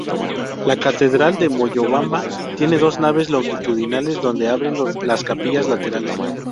La catedral de Moyobamba tiene dos naves longitudinales donde abren las capillas laterales.